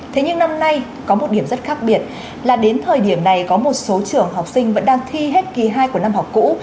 thế nhưng năm nay có một điểm rất khác biệt là đến thời điểm này có một số trường học sinh vẫn đang thi hết kỳ hai của năm học cũ